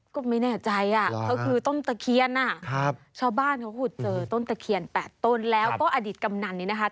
ก็ไม่แน่ใจก็คือต้นตะเคียนชาวบ้านเขาขุดเจอต้นตะเคียน๘ต้นแล้วก็อดีตกำนันนี้นะคะ